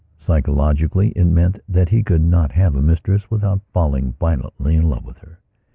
Psychologically it meant that he could not have a mistress without falling violently in love with her.